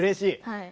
はい。